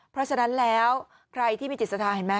เพราะฉะนั้นแล้วใครที่มีจิตศัพท์เห็นมั้ย